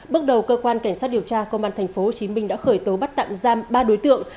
bước đầu cơ quan cảnh sát điều tra công an tp hcm đã khởi tố bắt tạm giam ba đối tượng